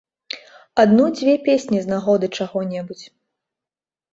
Адну-дзве песні з нагоды чаго-небудзь.